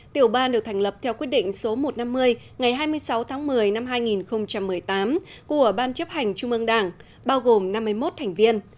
tiểu ban được thành lập theo quyết định số một trăm năm mươi ngày hai mươi sáu tháng một mươi năm hai nghìn một mươi tám của ban chấp hành trung ương đảng bao gồm năm mươi một thành viên